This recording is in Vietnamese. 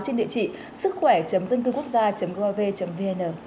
trên địa chỉ sứckhoẻ dâncưquốc gia gov vn